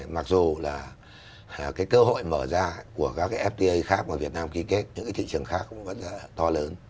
mặc dù là cái cơ hội mở ra của các cái fta khác mà việt nam ký kết những cái thị trường khác cũng vẫn to lớn